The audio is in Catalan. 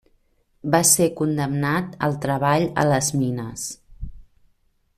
Va ser condemnat al treball a les mines.